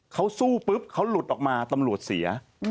เขาสู้ปุ๊บเขาหลุดออกมาตำรวจเสีย